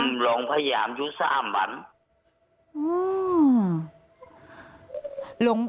ลองพยายามอยู่สามวัน